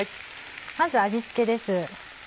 まず味付けです。